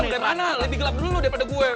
wah dari mana lebih gelap dulu daripada gua